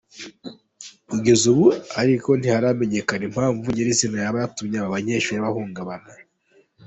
Kugeza ubu ariko ntiharamenyekana impamvu nyirizina yaba yatumye aba banyeshuri bahungabana.